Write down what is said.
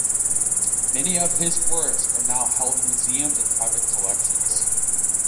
Many of his works are now held in museums and private collections.